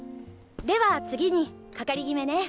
では次に係決めね。